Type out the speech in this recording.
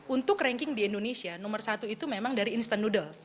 untuk ranking di indonesia nomor satu itu memang dari instant nudle